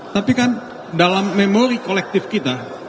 tapi kan dalam memory kolektif kita